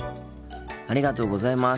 ありがとうございます。